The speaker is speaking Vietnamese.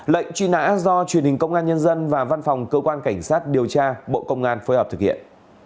lệnh truy nã do truyền hình công an nhân dân và văn phòng cơ quan cảnh sát điều tra bộ công an phối hợp thực hiện